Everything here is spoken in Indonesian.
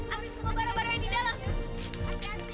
ambil semua barang barang yang di dalam